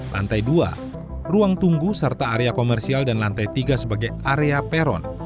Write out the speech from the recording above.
lantai dua ruang tunggu serta area komersial dan lantai tiga sebagai area peron